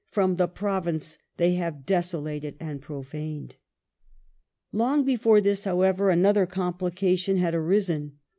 from the province they have desolated and profaned *'. Long before this, however, another complication had arisen.